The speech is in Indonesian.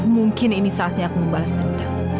mungkin ini saatnya aku membalas dendam